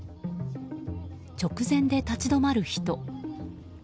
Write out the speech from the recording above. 直前で立ち止まる人。